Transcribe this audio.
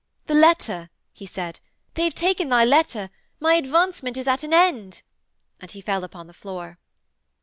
'The letter,' he said. 'They have taken thy letter. My advancement is at an end!' And he fell upon the floor.